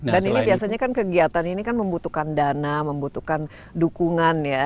dan ini biasanya kan kegiatan ini kan membutuhkan dana membutuhkan dukungan ya